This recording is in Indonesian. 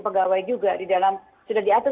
pegawai juga di dalam sudah diatur